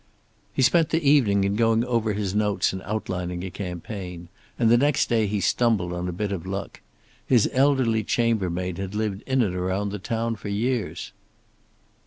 He spent the evening in going over his notes and outlining a campaign, and the next day he stumbled on a bit of luck. His elderly chambermaid had lived in and around the town for years.